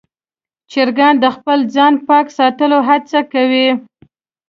چرګان د خپل ځان پاک ساتلو هڅه کوي.